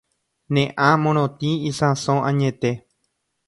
Ne ã morotĩ isãso añete